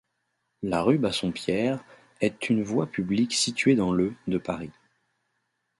La rue Bassompierre est une voie publique située dans le de Paris.